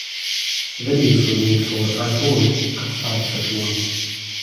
Videos were made for "I'm Bored" and "Five Foot One".